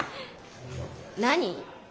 何？